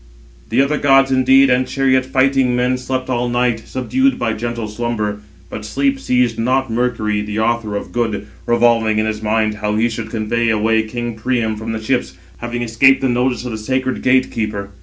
The other gods indeed and chariot fighting men slept all night, subdued by gentle slumber; but sleep seized not Mercury, the author of good, revolving in his mind how he should convey away king Priam from the ships, having escaped the notice of the sacred gate keeper.